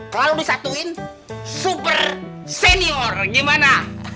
kalau disatuin super senior gimana